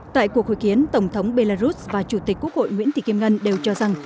tại cuộc hội kiến tổng thống belarus và chủ tịch quốc hội nguyễn thị kim ngân đều cho rằng